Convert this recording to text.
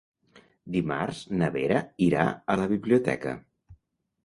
Dimarts na Vera irà a la biblioteca.